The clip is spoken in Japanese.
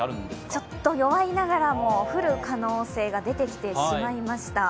ちょっと弱いながらも降る可能性が出てきてしまいました。